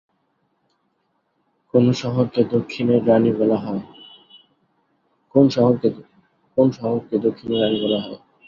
কোন শহরকে দক্ষিণের রানি বলা হয়?